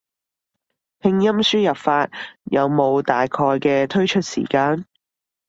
拼音輸入法有冇大概嘅推出時間？